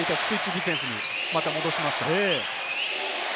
ディフェンスに戻しました。